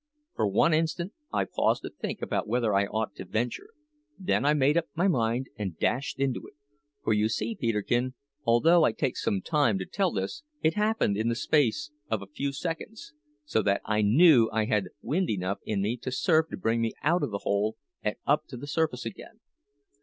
For one instant I paused to think whether I ought to venture. Then I made up my mind and dashed into it; for you see, Peterkin, although I take some time to tell this, it happened in the space of a few seconds, so that I knew I had wind enough in me to serve to bring me out o' the hole and up to the surface again.